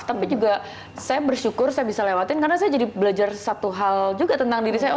tapi juga saya bersyukur saya bisa lewatin karena saya jadi belajar satu hal juga tentang diri saya